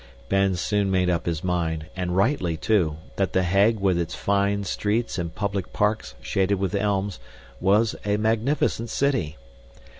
Ben soon made up his mind, and rightly, too, that The Hague with its fine streets and public parks shaded with elms, was a magnificent city.